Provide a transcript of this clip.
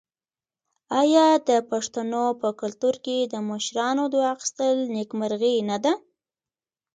آیا د پښتنو په کلتور کې د مشرانو دعا اخیستل نیکمرغي نه ده؟